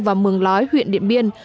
và mường lói huyện điện biên